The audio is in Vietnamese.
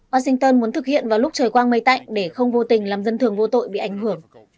washington muốn thực hiện vào lúc trời quang mây tạnh để không vô tình làm dân thường vô tội bị ảnh hưởng